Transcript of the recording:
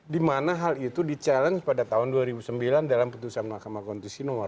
di mana hal itu di challenge pada tahun dua ribu sembilan dalam putusan mahkamah konstitusi nomor dua